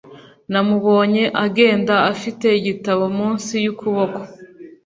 Namubonye agenda afite igitabo munsi yukuboko.